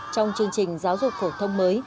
trong chương trình giáo dục phổ thông mới